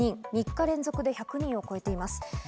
３日連続で１００人を超えています。